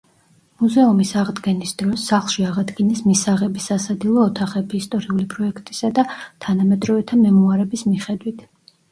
მუზეუმის აღდგენის დროს, სახლში აღადგინეს მისაღები, სასადილო, ოთახები ისტორიული პროექტისა და თანამედროვეთა მემუარების მიხედვით.